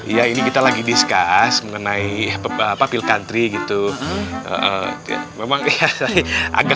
ya ini kita lagi discuss mengenai hai bapak pilkantri gitu deket bikin memang chance agak